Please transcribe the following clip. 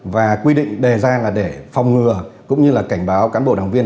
và quy định đề ra là để phòng ngừa cũng như là cảnh báo cán bộ đảng viên